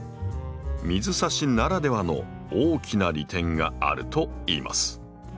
水挿しならではの大きな利点があるといいます。